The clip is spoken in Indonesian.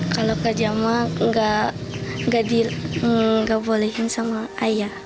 kalau kejama nggak bolehin sama ayah